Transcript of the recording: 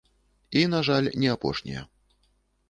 І, на жаль, не апошнія.